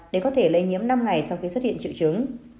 để có thể lây nhiễm năm ngày sau khi xuất hiện triệu chứng